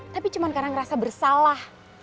tapi cuma karena ngerasa bersalah